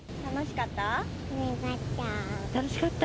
楽しかった？